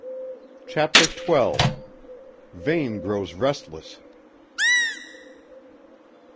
CHAPTER XII VANE GROWS RESTLESS.